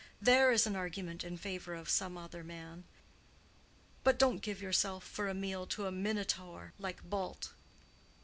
There is an argument in favor of some other man. But don't give yourself for a meal to a minotaur like Bult.